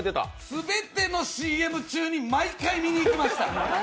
全てのＣＭ中に毎回見に行きました。